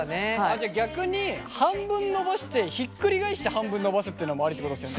じゃあ逆に半分伸ばしてひっくり返して半分伸ばすっていうのもありってことですよね。